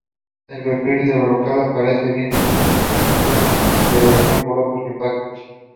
The western end of the park contains outdoor exercise equipment.